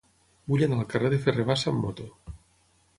Vull anar al carrer de Ferrer Bassa amb moto.